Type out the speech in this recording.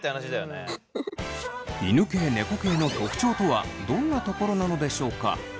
犬系・猫系の特徴とはどんなところなのでしょうか。